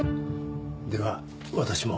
では私も。